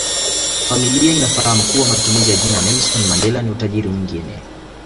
Familia inafahamu kuwa matumizi ya jina Nelson Mandela ni utajiri mwingine